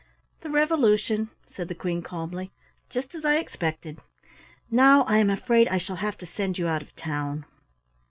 "The revolution," said the Queen calmly, "just as I expected. Now I am afraid I shall have to send you out of town."